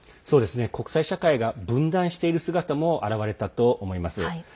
国際社会が分断している姿も表れたと思います。